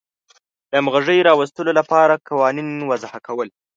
د همغږۍ راوستلو لپاره قوانین وضع کول.